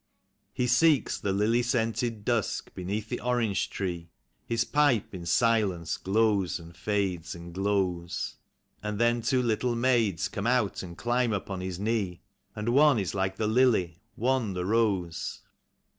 He seeks the lily scented dusk beneath the orange tree ; His pipe in silence glows and fades and glows; THE YOUNGER SON. 61 And then two little maids come out and climb upon his knee, And one is like the lily, one the rose.